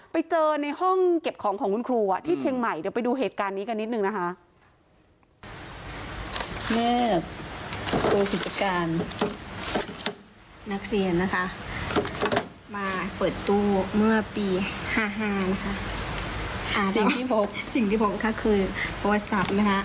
ไปเจอในห้องเก็บของของคุณครูที่เชียงใหม่เดี๋ยวไปดูเหตุการณ์นี้กันนิดนึงนะคะ